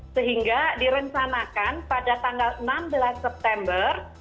sehingga direncanakan pada tanggal enam belas september